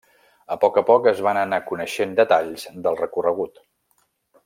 A poc a poc es van anar coneixent detalls del recorregut.